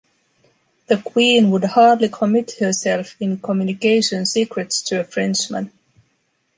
The Queen would hardly commit herself in communicating secrets to a Frenchman.